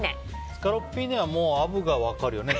スカロッピーネはアブが分かるよね。